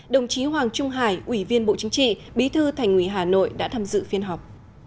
đồng chí hoàng trung hải ủy viên bộ chính trị bí thư thành ủy hà nội đã tham dự phiên họp